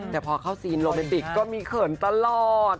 แต่พอเข้าซีนโลเมติกก็มีเขินตลอด